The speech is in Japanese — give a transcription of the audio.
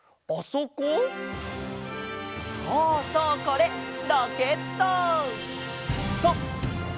そうそうこれロケット！